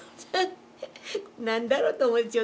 何だろうと思っちゃう。